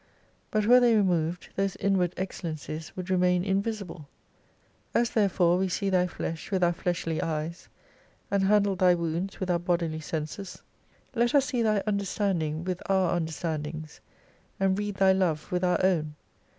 But were they removed those inward excellencies would remain invisible. As therefore we see Thy flesh with our fleshly eyes, and handle Thy wounds with our bodily senses, let us see Thy understanding with our under standings, and read Thy love with our own.